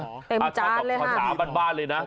อาชาปักพอสาวบ้านเลยนะ